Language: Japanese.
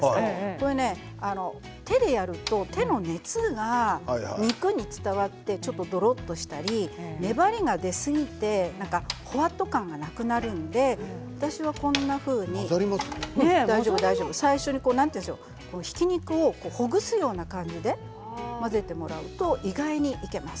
これね、手でやると体の熱が肉に伝わってちょっとどろっとしたり粘りが出すぎてほわっと感がなくなるので私は、こんなふうに最初に何ていうんでしょうひき肉をほぐすような感じで混ぜてもらうと意外にいけます。